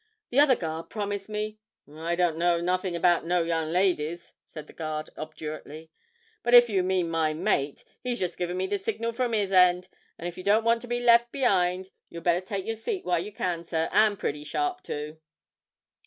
'The other guard promised me ' 'I don't know nothing about no young ladies,' said the guard obdurately; 'but if you mean my mate, he's just give me the signal from his end, and if you don't want to be left be'ind you'd better take your seat while you can, sir, and pretty sharp, too.'